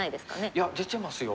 いや出てますよ。